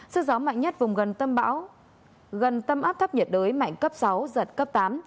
sức gió mạnh nhất vùng gần tâm bão gần tâm áp thấp nhiệt đới mạnh cấp sáu giật cấp tám